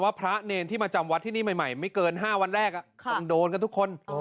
พระเนรที่มาจำวัดที่นี่ใหม่ไม่เกิน๕วันแรกต้องโดนกันทุกคน